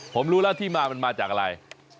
ผมรู้แล้วที่มามันมาจากอะไร